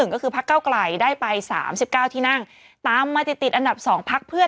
ก็คือพักเก้าไกลได้ไป๓๙ที่นั่งตามมาติดติดอันดับ๒พักเพื่อ